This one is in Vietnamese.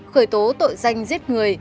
khởi tố tội danh giết người